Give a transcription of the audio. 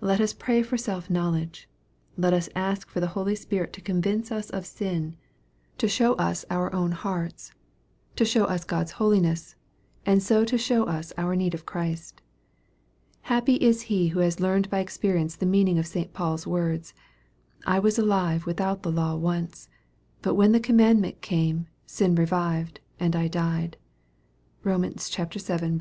Let us pray for self knowledge. Let us rsk for the Holy Spirit to convince as of sin, to show us oar MARK, CHAP. X. 209 own hearts, to show us God's holiness, and so to show us our need of Christ. Happy is he who has learned by experience the meaning of St. Paul's words, " I was alive without the law once ; hut when the commandment came, sin revived, and I died." (Kom. vii. 9.)